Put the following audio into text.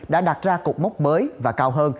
đã đặt ra cục mốc mới và cao hơn